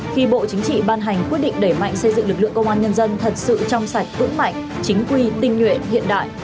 khi bộ chính trị ban hành quyết định đẩy mạnh xây dựng lực lượng công an nhân dân thật sự trong sạch vững mạnh chính quy tinh nguyện hiện đại